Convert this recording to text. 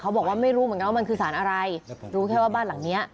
บอกว่าไม่รู้เหมือนกันว่ามันคือสารอะไรรู้แค่ว่าบ้านหลังเนี้ย